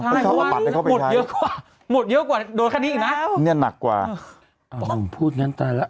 อืมแต่ต้องช่วยกันนิดหนึ่ง